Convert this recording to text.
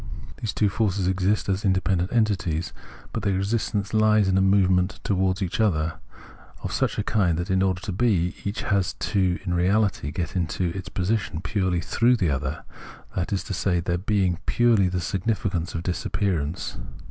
These two forces exist as independent entities : but their existence lies in a movement each towards each, of such a kind that in order to be, each has in reality to get its position purely through the other ; that is to say, their being Understanding 135 has purely the significance of disappearance.